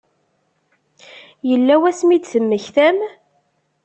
Yella wasmi i d-temmektam?